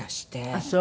あっそう。